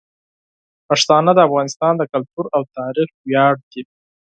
پښتانه د افغانستان د کلتور او تاریخ ویاړ دي.